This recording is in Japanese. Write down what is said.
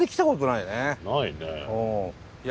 ないねえ。